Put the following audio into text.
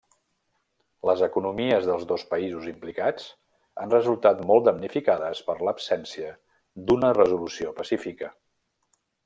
Les economies dels dos països implicats han resultat molt damnificades per l'absència d'una resolució pacífica.